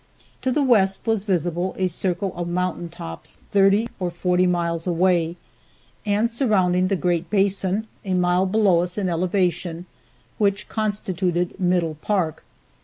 To the west was visible a circle of mountain tops, thirty or forty miles away, and surrounding the great basin, a mile below us in elevation, which constituted Middle park.